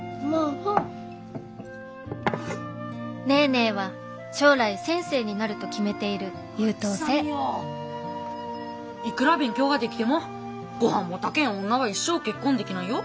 ネーネーは将来先生になると決めている優等生いくら勉強ができてもごはんも炊けん女は一生結婚できないよ。